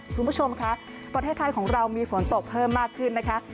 คุณผู้ชมคะประเทศไทยของเรามีฝนตกเพิ่มมากขึ้นนะคะ